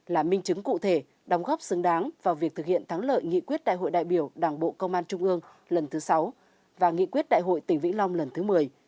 là minh chứng cụ thể đóng góp xứng đáng vào việc thực hiện thắng lợi nghị quyết đại hội đại biểu đảng bộ công an trung ương lần thứ sáu và nghị quyết đại hội tỉnh vĩnh long lần thứ một mươi